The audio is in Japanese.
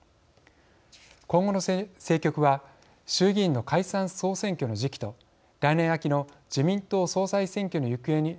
今後の政局は衆議院の解散・総選挙の時期と来年秋の自民党総裁選挙の行方に焦点が移ることになります。